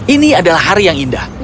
ini adalah hari yang indah